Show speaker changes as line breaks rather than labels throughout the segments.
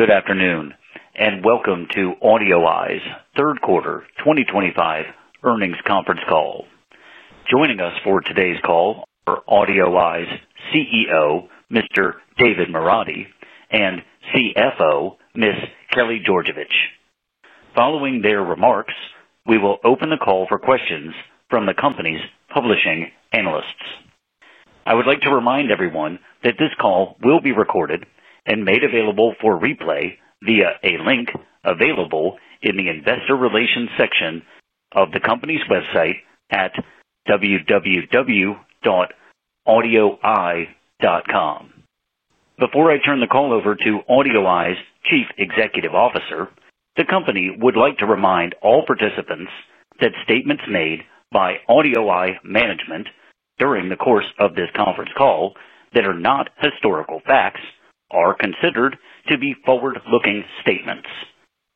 Good afternoon and welcome to AudioEye's third quarter 2025 earnings conference call. Joining us for today's call are AudioEye's CEO, Mr. David Moradi, and CFO, Ms. Kelly Georgevich. Following their remarks, we will open the call for questions from the company's participating analysts. I would like to remind everyone that this call will be recorded and made available for replay via a link available in the investor relations section of the company's website at www.audioeye.com. Before I turn the call over to AudioEye's Chief Executive Officer, the company would like to remind all participants that statements made by AudioEye management during the course of this conference call that are not historical facts are considered to be forward-looking statements.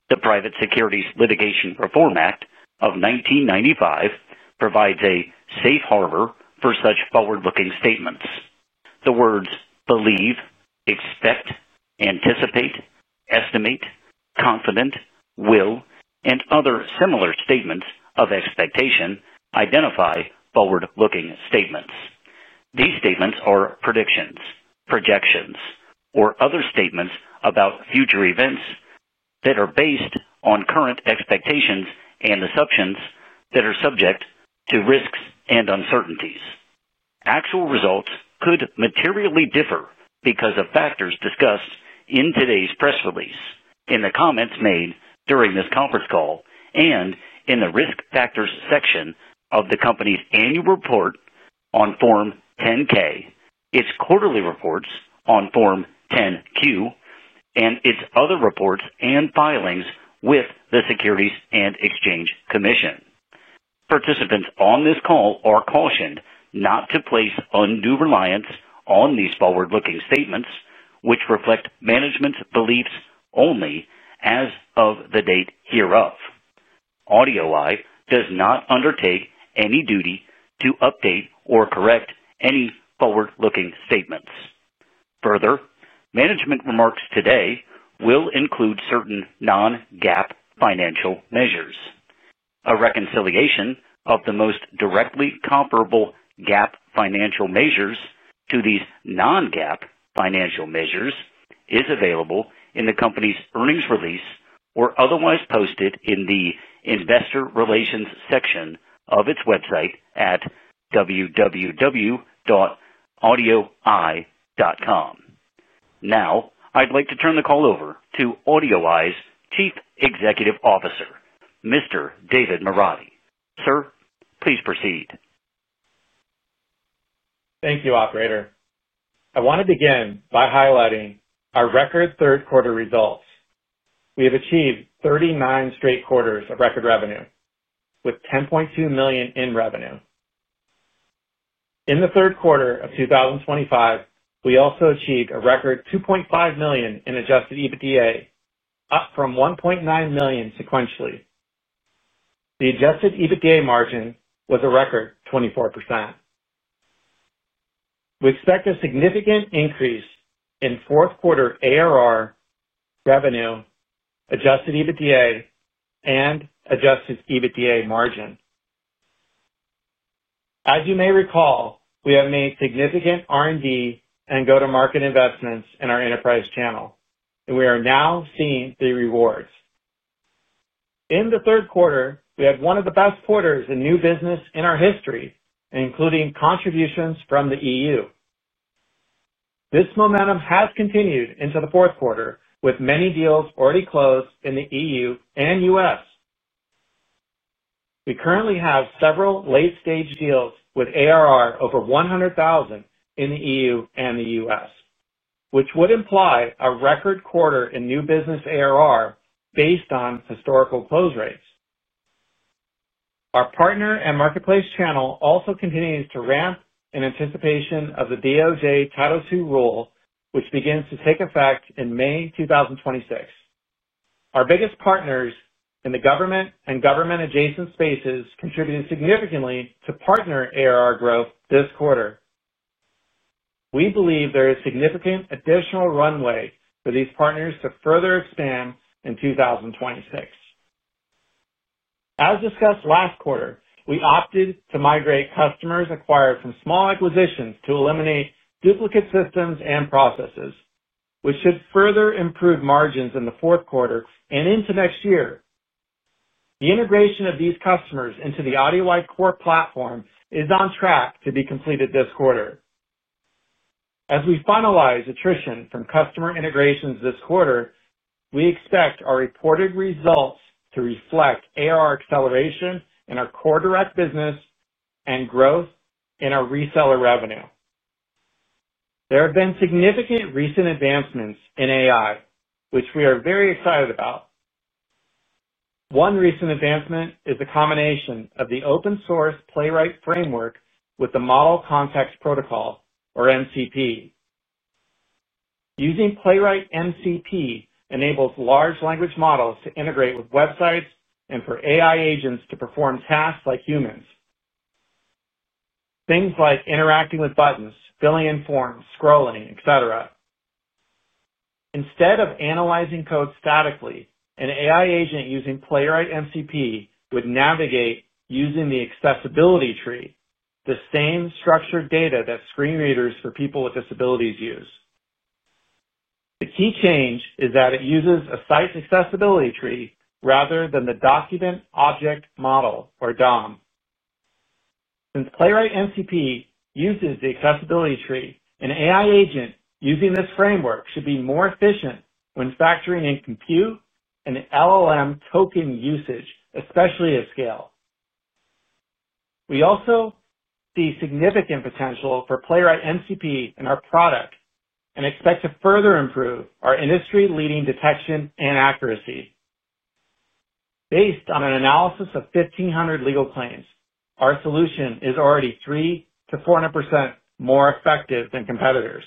The Private Securities Litigation Reform Act of 1995 provides a safe harbor for such forward-looking statements. The words believe, expect, anticipate, estimate, confident, will, and other similar statements of expectation identify forward-looking statements. These statements are predictions, projections, or other statements about future events that are based on current expectations and assumptions that are subject to risks and uncertainties. Actual results could materially differ because of factors discussed in today's press release, in the comments made during this conference call, and in the risk factors section of the company's annual report on Form 10-K, its quarterly reports on Form 10-Q, and its other reports and filings with the Securities and Exchange Commission. Participants on this call are cautioned not to place undue reliance on these forward-looking statements, which reflect management's beliefs only as of the date hereof. AudioEye does not undertake any duty to update or correct any forward-looking statements. Further, management remarks today will include certain non-GAAP financial measures. A reconciliation of the most directly comparable GAAP financial measures to these non-GAAP financial measures is available in the company's earnings release or otherwise posted in the investor relations section of its website at www.audioeye.com. Now, I'd like to turn the call over to AudioEye's Chief Executive Officer, Mr. David Moradi. Sir, please proceed.
Thank you, Operator. I want to begin by highlighting our record third-quarter results. We have achieved 39th straight quarters of record revenue, with $10.2 million in revenue. In the third quarter of 2025, we also achieved a record $2.5 million in Adjusted EBITDA, up from $1.9 million sequentially. The Adjusted EBITDA margin was a record 24%. We expect a significant increase in fourth-quarter ARR, revenue, Adjusted EBITDA, and Adjusted EBITDA margin. As you may recall, we have made significant R&D and go-to-market investments in our enterprise channel, and we are now seeing the rewards. In the third quarter, we had one of the best quarters in new business in our history, including contributions from the EU. This momentum has continued into the fourth quarter, with many deals already closed in the EU and U.S. We currently have several late-stage deals with ARR over 100,000 in the EU and the U.S., which would imply a record quarter in new business ARR based on historical close rates. Our partner and marketplace channel also continues to ramp in anticipation of the DOJ Title II rule, which begins to take effect in May 2026. Our biggest partners in the government and government-adjacent spaces contributed significantly to partner ARR growth this quarter. We believe there is significant additional runway for these partners to further expand in 2026. As discussed last quarter, we opted to migrate customers acquired from small acquisitions to eliminate duplicate systems and processes, which should further improve margins in the fourth quarter and into next year. The integration of these customers into the AudioEye core platform is on track to be completed this quarter. As we finalize attrition from customer integrations this quarter, we expect our reported results to reflect ARR acceleration in our core direct business, and growth in our reseller revenue. There have been significant recent advancements in AI, which we are very excited about. One recent advancement is the combination of the open-source Playwright framework with the Model Context Protocol, or MCP. Using Playwright MCP enables large language models to integrate with websites and for AI agents to perform tasks like humans. Things like interacting with buttons, filling in forms, scrolling, etc. Instead of analyzing code statically, an AI agent using Playwright MCP would navigate using the accessibility tree, the same structured data that screen readers for people with disabilities use. The key change is that it uses a site's accessibility tree rather than the document object model, or DOM. Since Playwright MCP uses the accessibility tree, an AI agent using this framework should be more efficient when factoring in compute and LLM token usage, especially at scale. We also see significant potential for Playwright MCP in our product and expect to further improve our industry-leading detection and accuracy. Based on an analysis of 1,500 legal claims, our solution is already 300%-400% more effective than competitors.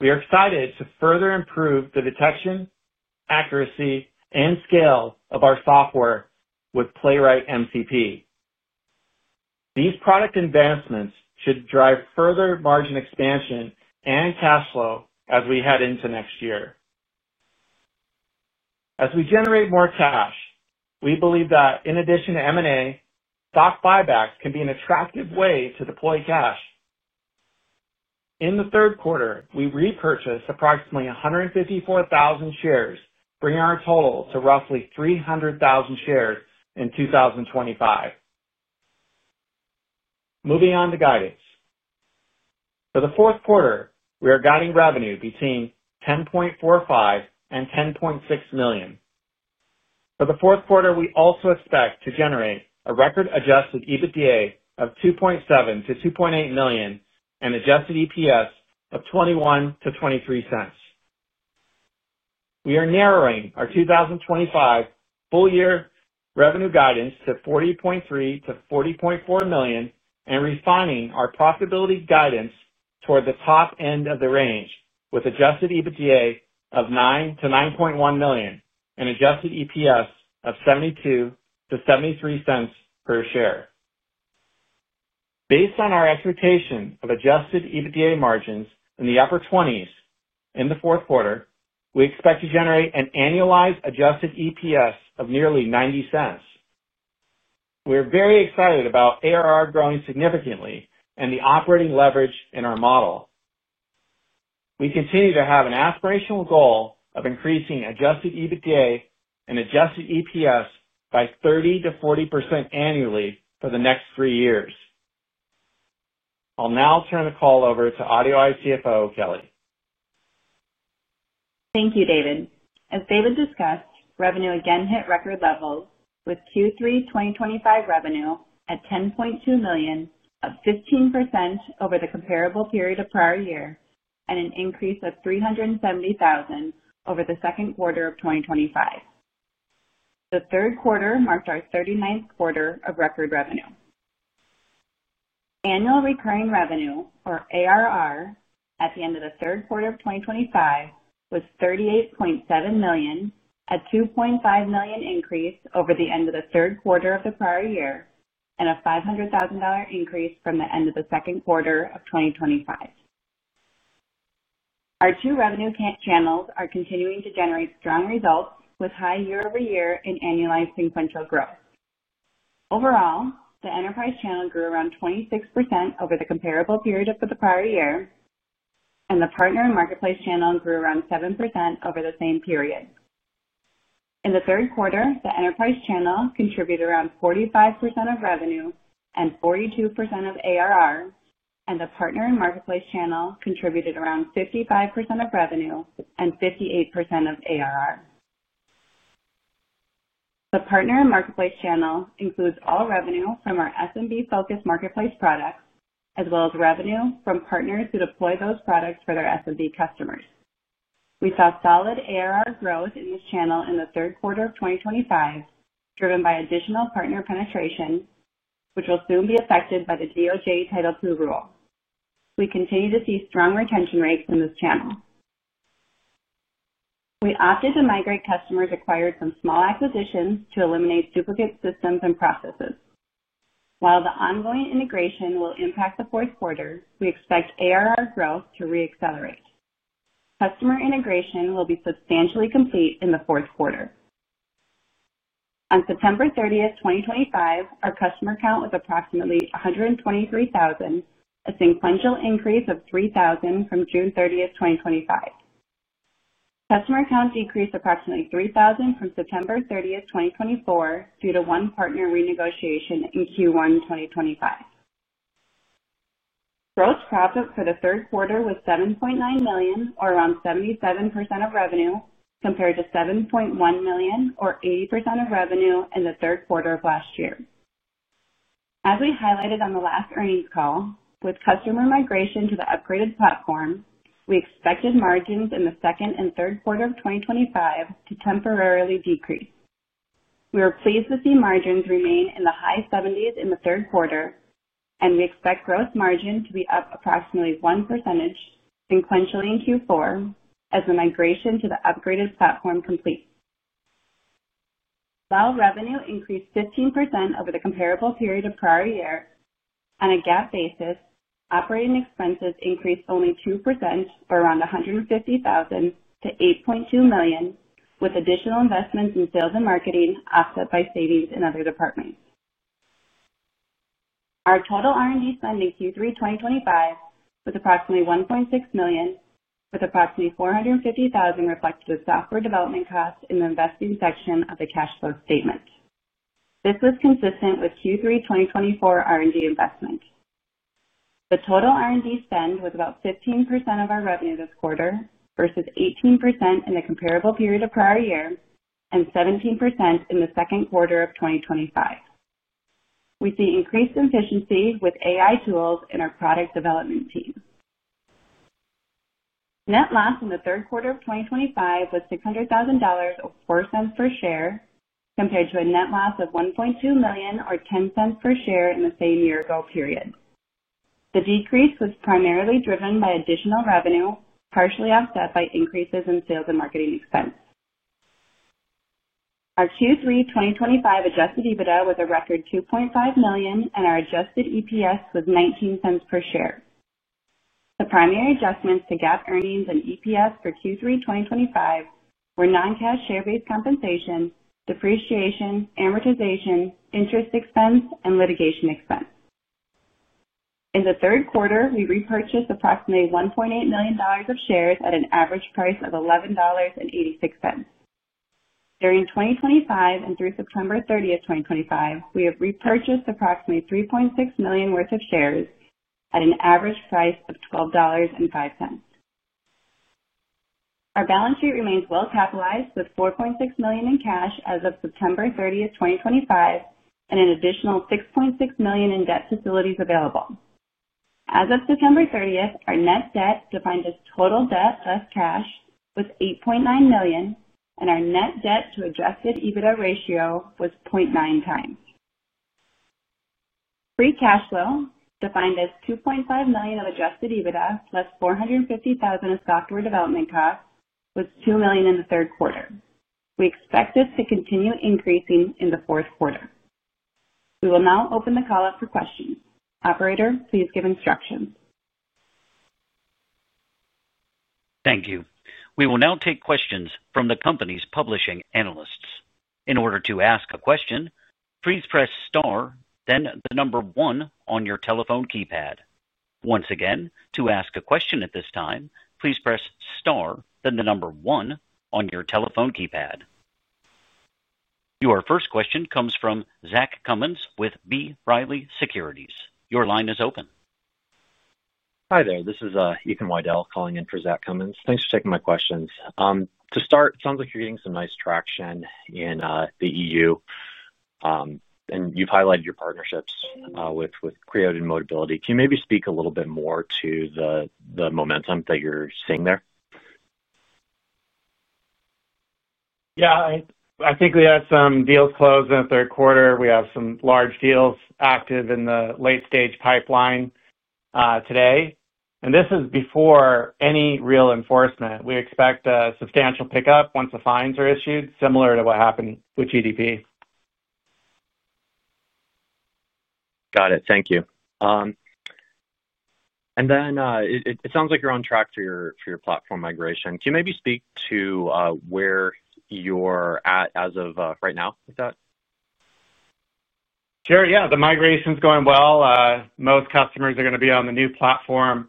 We are excited to further improve the detection, accuracy, and scale of our software with Playwright MCP. These product advancements should drive further margin expansion and cash flow as we head into next year. As we generate more cash, we believe that, in addition to M&A, stock buybacks can be an attractive way to deploy cash. In the third quarter, we repurchased approximately 154,000 shares, bringing our total to roughly 300,000 shares in 2025. Moving on to guidance. For the fourth quarter, we are guiding revenue between $10.45 million and $10.6 million. For the fourth quarter, we also expect to generate a record-Adjusted EBITDA of $2.7 million-$2.8 million and Adjusted EPS of $0.21-$0.23. We are narrowing our 2025 full-year revenue guidance to $40.3 million-$40.4 million and refining our profitability guidance toward the top end of the range with Adjusted EBITDA of $9 million-$9.1 million and Adjusted EPS of $0.72-$0.73 per share. Based on our expectation of Adjusted EBITDA margins in the upper 20s% in the fourth quarter, we expect to generate an annualized Adjusted EPS of nearly $0.90. We are very excited about ARR growing significantly and the operating leverage in our model. We continue to have an aspirational goal of increasing Adjusted EBITDA and Adjusted EPS by 30%-40% annually for the next three years. I'll now turn the call over to AudioEye CFO, Kelly.
Thank you, David. As David discussed, revenue again hit record levels with Q3 2025 revenue at $10.2 million, up 15% over the comparable period of prior year, and an increase of $370,000 over the second quarter of 2025. The third quarter marked our 39th quarter of record revenue. Annual recurring revenue, or ARR, at the end of the third quarter of 2025 was $38.7 million, a $2.5 million increase over the end of the third quarter of the prior year, and a $500,000 increase from the end of the second quarter of 2025. Our two revenue channels are continuing to generate strong results with high year-over-year and annualized sequential growth. Overall, the Enterprise channel grew around 26% over the comparable period of the prior year, and the Partner and Marketplace channel grew around 7% over the same period. In the third quarter, the Enterprise channel contributed around 45% of revenue and 42% of ARR, and the Partner and Marketplace channel contributed around 55% of revenue and 58% of ARR. The Partner and Marketplace channel includes all revenue from our SMB-focused marketplace products, as well as revenue from partners who deploy those products for their SMB customers. We saw solid ARR growth in this channel in the third quarter of 2025, driven by additional partner penetration, which will soon be affected by the DOJ Title II rule. We continue to see strong retention rates in this channel. We opted to migrate customers acquired from small acquisitions to eliminate duplicate systems and processes. While the ongoing integration will impact the fourth quarter, we expect ARR growth to re-accelerate. Customer integration will be substantially complete in the fourth quarter. On September 30th, 2025, our customer count was approximately 123,000, a sequential increase of 3,000 from June 30th, 2025. Customer count decreased approximately 3,000 from September 30th, 2024, due to one partner renegotiation in Q1 2025. Gross profit for the third quarter was $7.9 million, or around 77% of revenue, compared to $7.1 million, or 80% of revenue, in the third quarter of last year. As we highlighted on the last earnings call, with customer migration to the upgraded platform, we expected margins in the second and third quarter of 2025 to temporarily decrease. We are pleased to see margins remain in the high 70s in the third quarter, and we expect gross margin to be up approximately 1% sequentially in Q4 as the migration to the upgraded platform completes. While revenue increased 15% over the comparable period of prior year on a GAAP basis, operating expenses increased only 2%, or around $150,000, to $8.2 million, with additional investments in sales and marketing offset by savings in other departments. Our total R&D spend in Q3 2025 was approximately $1.6 million, with approximately $450,000 reflected as software development costs in the investing section of the cash flow statement. This was consistent with Q3 2024 R&D investment. The total R&D spend was about 15% of our revenue this quarter, versus 18% in the comparable period of prior year and 17% in the second quarter of 2025. We see increased efficiency with AI tools in our product development team. Net loss in the third quarter of 2025 was $600,000 or $0.04 per share, compared to a net loss of $1.2 million, or $0.10 per share, in the same year-ago period. The decrease was primarily driven by additional revenue, partially offset by increases in sales and marketing expense. Our Q3 2025 Adjusted EBITDA was a record $2.5 million, and our Adjusted EPS was $0.19 per share. The primary adjustments to GAAP earnings and EPS for Q3 2025 were non-cash share-based compensation, depreciation, amortization, interest expense, and litigation expense. In the third quarter, we repurchased approximately $1.8 million of shares at an average price of $11.86. During 2025 and through September 30th, 2025, we have repurchased approximately $3.6 million worth of shares at an average price of $12.05. Our balance sheet remains well-capitalized with $4.6 million in cash as of September 30th, 2025, and an additional $6.6 million in debt facilities available. As of September 30th, our net debt, defined as total debt plus cash, was $8.9 million, and our net debt to Adjusted EBITDA ratio was 0.9x. Free cash flow, defined as $2.5 million of Adjusted EBITDA plus $450,000 of software development costs, was $2 million in the third quarter. We expect this to continue increasing in the fourth quarter. We will now open the call up for questions. Operator, please give instructions.
Thank you. We will now take questions from the company's participating analysts. In order to ask a question, please press star, then the number one on your telephone keypad. Once again, to ask a question at this time, please press star, then the number one on your telephone keypad. Your first question comes from Zach Cummins with B. Riley Securities. Your line is open.
Hi there. This is Ethan Widel calling in for Zach Cummins. Thanks for taking my questions. To start, it sounds like you're getting some nice traction in the EU, and you've highlighted your partnerships with CREO and Motability. Can you maybe speak a little bit more to the momentum that you're seeing there?
Yeah. I think we had some deals close in the third quarter. We have some large deals active in the late-stage pipeline today, and this is before any real enforcement. We expect a substantial pickup once the fines are issued, similar to what happened with GDPR.
Got it. Thank you. And then it sounds like you're on track for your platform migration. Can you maybe speak to where you're at as of right now with that?
Sure. Yeah. The migration's going well. Most customers are going to be on the new platform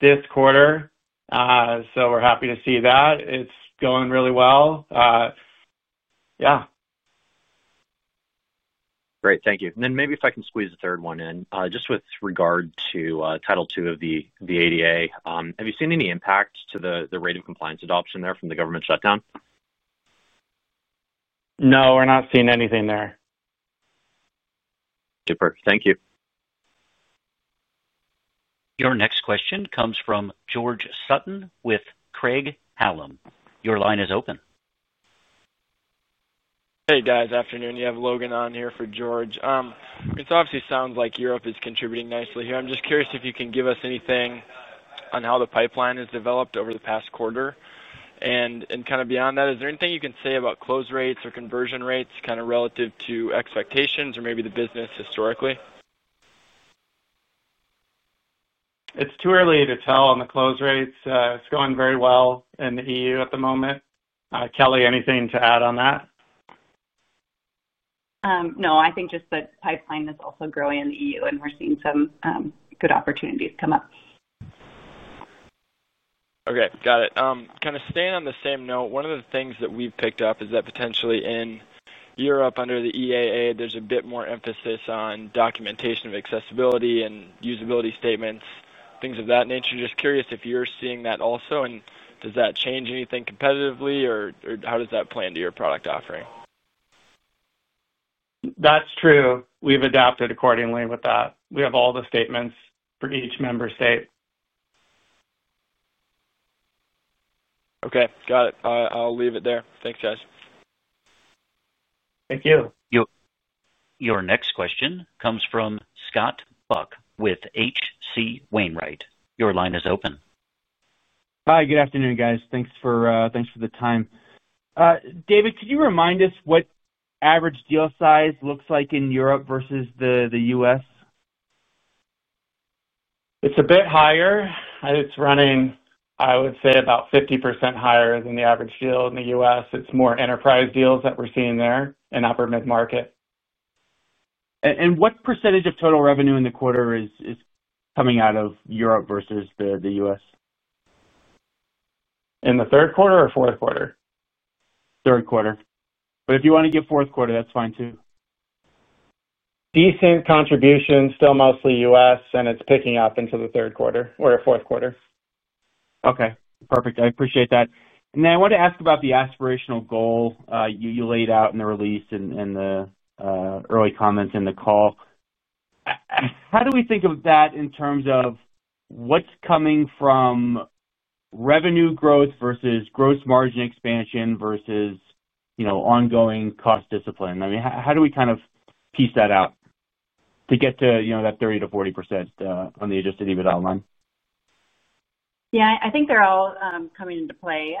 this quarter. So we're happy to see that. It's going really well. Yeah.
Great. Thank you. And then maybe if I can squeeze a third one in, just with regard to Title II of the ADA, have you seen any impact to the rate of compliance adoption there from the government shutdown?
No. We're not seeing anything there.
Super. Thank you.
Your next question comes from George Sutton with Craig-Hallum. Your line is open.
Hey, guys. Afternoon. You have Logan on here for George. It obviously sounds like Europe is contributing nicely here. I'm just curious if you can give us anything on how the pipeline has developed over the past quarter. And kind of beyond that, is there anything you can say about close rates or conversion rates kind of relative to expectations or maybe the business historically?
It's too early to tell on the close rates. It's going very well in the EU at the moment. Kelly, anything to add on that?
No. I think just the pipeline is also growing in the EU, and we're seeing some good opportunities come up.
Okay. Got it. Kind of staying on the same note, one of the things that we've picked up is that potentially in Europe under the EAA, there's a bit more emphasis on documentation of accessibility and usability statements, things of that nature. Just curious if you're seeing that also, and does that change anything competitively, or how does that play into your product offering?
That's true. We've adapted accordingly with that. We have all the statements for each member state.
Okay. Got it. I'll leave it there. Thanks, guys.
Thank you.
Your next question comes from Scott Buck with H.C. Wainwright. Your line is open.
Hi. Good afternoon, guys. Thanks for the time. David, could you remind us what average deal size looks like in Europe versus the U.S?
It's a bit higher. It's running, I would say, about 50% higher than the average deal in the U.S. It's more enterprise deals that we're seeing there in upper-mid market.
What percentage of total revenue in the quarter is coming out of Europe versus the U.S.?
In the third quarter or fourth quarter?
Third quarter. But if you want to give fourth quarter, that's fine too.
Decent contribution. Still mostly U.S., and it's picking up into the third quarter or fourth quarter.
Okay. Perfect. I appreciate that and then I want to ask about the aspirational goal you laid out in the release and the early comments in the call. How do we think of that in terms of what's coming from revenue growth versus gross margin expansion versus ongoing cost discipline? I mean, how do we kind of piece that out to get to that 30%-40% on the Adjusted EBITDA line?
Yeah. I think they're all coming into play.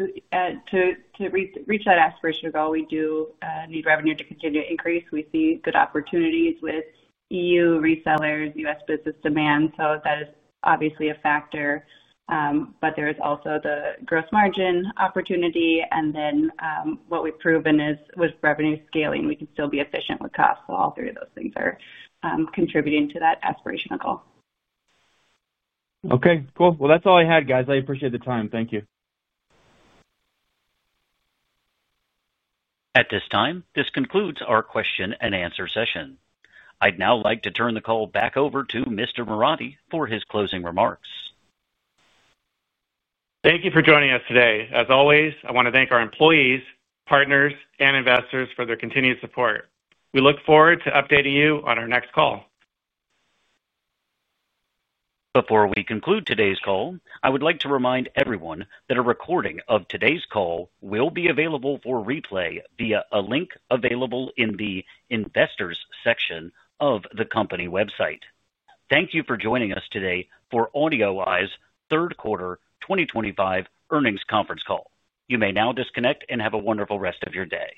To reach that aspirational goal, we do need revenue to continue to increase. We see good opportunities with E.U. resellers, U.S. business demand. So that is obviously a factor. But there is also the gross margin opportunity. And then what we've proven with revenue scaling, we can still be efficient with costs. So all three of those things are contributing to that aspirational goal.
Okay. Cool. Well, that's all I had, guys. I appreciate the time. Thank you.
At this time, this concludes our question-and-answer session. I'd now like to turn the call back over to Mr. Moradi for his closing remarks.
Thank you for joining us today. As always, I want to thank our employees, partners, and investors for their continued support. We look forward to updating you on our next call.
Before we conclude today's call, I would like to remind everyone that a recording of today's call will be available for replay via a link available in the investors section of the company website. Thank you for joining us today for AudioEye's third quarter 2025 earnings conference call. You may now disconnect and have a wonderful rest of your day.